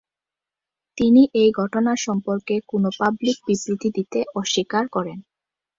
তিনি এই ঘটনা সম্পর্কে কোনো পাবলিক বিবৃতি দিতে অস্বীকার করেন।